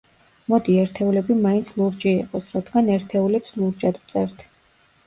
მოდი, ერთეულები მაინც ლურჯი იყოს, რადგან ერთეულებს ლურჯად ვწერთ.